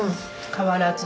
変わらず？